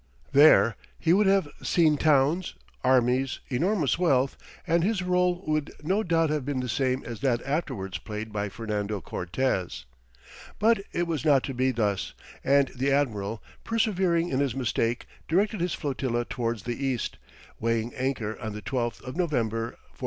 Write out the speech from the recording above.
There he would have seen towns, armies, enormous wealth, and his rôle would no doubt have been the same as that afterwards played by Fernando Cortès. But it was not to be thus, and the admiral, persevering in his mistake, directed his flotilla towards the east, weighing anchor on the 12th of November, 1492.